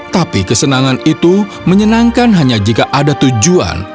tapi kesenangan itu menyenangkan hanya jika ada tujuan